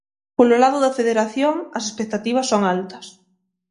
Polo lado da federación, as expectativas son altas.